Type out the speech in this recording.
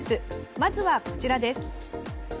まずはこちらです。